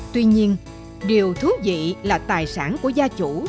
tuy nhiên điều thú vị là tài sản của gia chủ